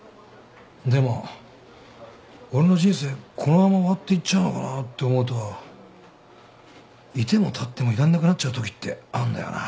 でも俺の人生このまま終わっていっちゃうのかなって思うと居ても立ってもいらんなくなっちゃうときってあんだよな。